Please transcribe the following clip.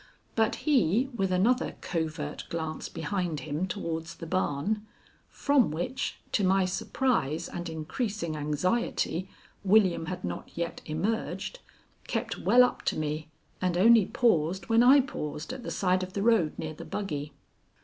But he, with another covert glance behind him towards the barn, from which, to my surprise and increasing anxiety, William had not yet emerged, kept well up to me, and only paused when I paused at the side of the road near the buggy.